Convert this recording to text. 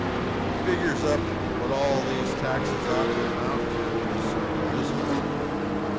He figures up what all these taxes ought to amount to in a certain district.